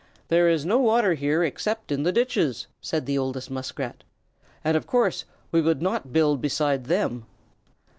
"There is no water here except in the ditches," said the oldest Muskrat, "and of course we would not build beside them."